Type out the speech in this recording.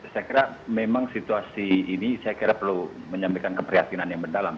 saya kira memang situasi ini saya kira perlu menyampaikan keprihatinan yang mendalam